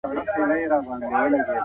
يو پر بل احسان اچول پريږدئ.